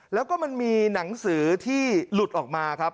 แล้วก็มันมีหนังสือที่หลุดออกมาครับ